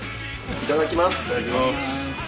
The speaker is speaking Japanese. いただきます。